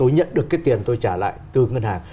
nhận được cái tiền tôi trả lại từ ngân hàng